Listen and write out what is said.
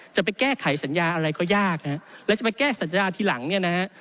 จะไปแก้ไขสัญญาอะไรก็ยากฮะแล้วจะไปแก้สัญญาทีหลังเนี่ยนะฮะ